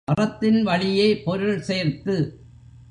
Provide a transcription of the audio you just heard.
அறத்தின் வழியே பொருள் சேர்த்து.